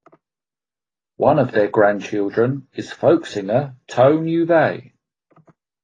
One of their grandchildren is folk singer Tone Juve.